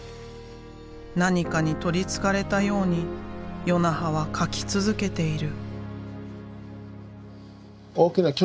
何かにとりつかれたように与那覇は描き続けている。